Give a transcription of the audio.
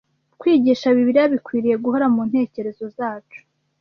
Kwigisha Bibiliya bikwiriye guhora mu ntekerezo zacu,